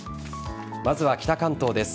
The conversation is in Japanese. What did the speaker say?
まずは北関東です。